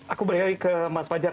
aku balik lagi ke mas fajar